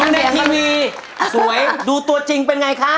อีกขนาดประปะนานดูตัวจริงเป็นไง